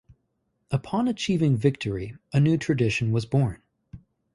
Upon achieving victory, a new tradition was born.